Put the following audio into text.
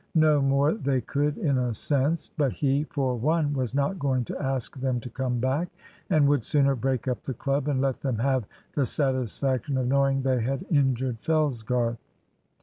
No more they could, in a sense. But he, for one, was not going to ask them to come back, and would sooner break up the club, and let them have the satisfaction of knowing they had injured Fellsgarth.